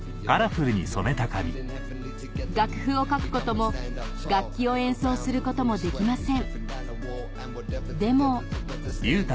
楽譜を書くことも楽器を演奏することもできません